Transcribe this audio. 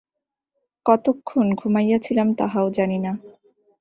কতক্ষণ ঘুমাইয়াছিলাম তাহাও জানি না।